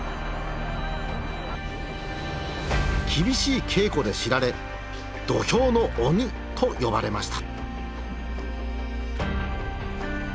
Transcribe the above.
厳しい稽古で知られ土俵の鬼と呼ばれました。